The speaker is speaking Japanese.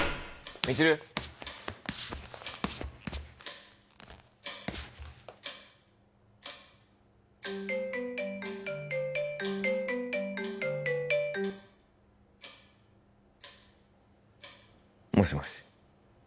未知留もしもし？